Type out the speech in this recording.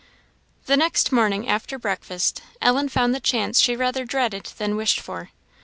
The next morning, after breakfast, Ellen found the chance she rather dreaded than wished for.